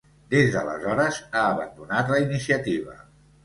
Des d'aleshores ha abandonat la iniciativa.